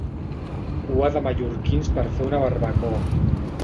Cua de mallorquins per fer una barbacoa.